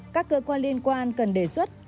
các cơ quan liên quan cần đề xuất